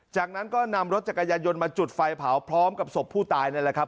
จากนั้นก็นำรถจักรยานยนต์มาจุดไฟเผาพร้อมกับศพผู้ตายนั่นแหละครับ